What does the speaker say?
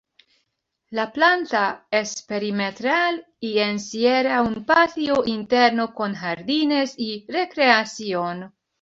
La planta es perimetral y encierra un patio interno con jardines y recreación.